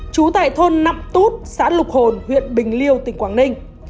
chú tại thôn năm tút xã lục hồn huyện bình liêu tỉnh quảng ninh